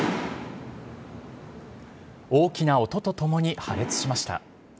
大きな音とともに破裂しました。